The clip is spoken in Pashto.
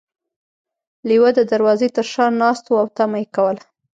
لیوه د دروازې تر شا ناست و او تمه یې کوله.